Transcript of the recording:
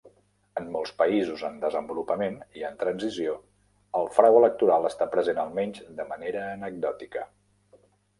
En molts països en desenvolupament i en transició, el frau electoral està present almenys de manera anecdòtica.